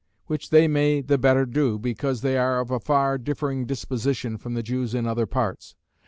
Which they may the better do, because they are of a far differing disposition from the Jews in other parts.